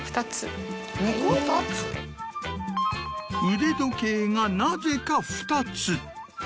腕時計がなぜか２つ。